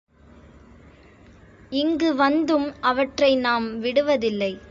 இங்கு வந்தும் அவற்றை நாம் விடுவதில்லை.